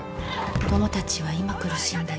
子供たちは今苦しんでいる。